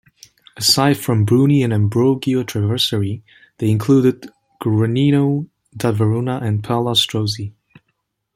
Aside from Bruni and Ambrogio Traversari, they included Guarino da Verona and Palla Strozzi.